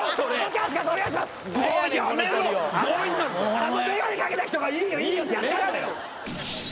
あのメガネかけた人が「いいよいいよ」ってやったらだよ